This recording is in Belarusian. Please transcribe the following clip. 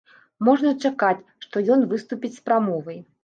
Можна чакаць, што ён выступіць з прамовай.